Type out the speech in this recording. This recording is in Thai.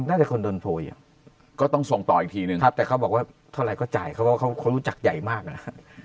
น่าจะคนโดนโพยก็ต้องทรงต่ออีกทีนึงแต่เขาบอกว่าเท่าไหร่ก็จ่ายเขารู้จักใหญ่มากนะ